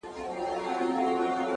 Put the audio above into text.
د زړه غوټه چي لارې ته ولاړه ده حيرانه’